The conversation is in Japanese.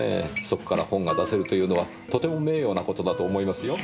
そこから本が出せるというのはとても名誉な事だと思いますよ。